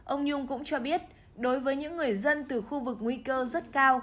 ông nhung cũng cho biết đối với những người dân từ khu vực nguy cơ rất cao